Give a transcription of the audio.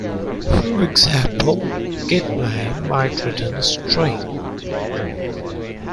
For example, getName might return a String.